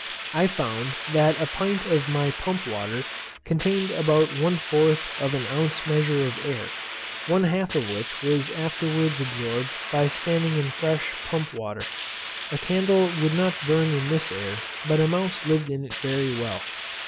I found that a pint of my pump water contained about one fourth of an ounce measure of air, one half of which was afterwards absorbed by standing in fresh pump water. A candle would not burn in this air, but a mouse lived in it very well.